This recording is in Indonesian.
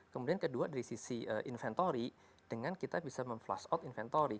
kemudian kedua dari sisi inventory dengan kita bisa mem flush out inventory